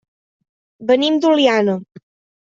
Venim d'Oliana.